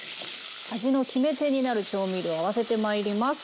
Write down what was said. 味の決め手になる調味料合わせてまいります。